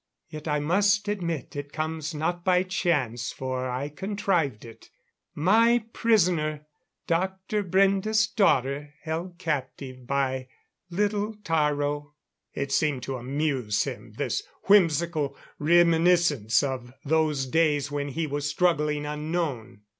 Yet, I must admit, it comes not by chance, for I contrived it. My prisoner! Dr. Brende's daughter, held captive by little Taro!" It seemed to amuse him, this whimsical reminiscence of those days when he was struggling unknown.